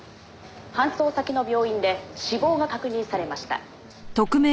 「搬送先の病院で死亡が確認されました」